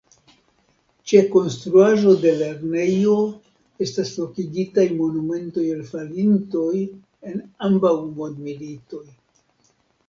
Ĉe konstruaĵo de lernejo estas lokigitaj monumentoj al falintoj en ambaŭ mondmilitoj.